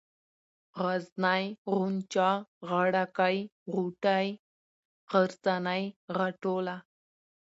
غرنۍ ، غونچه ، غاړه كۍ ، غوټۍ ، غرڅنۍ ، غاټوله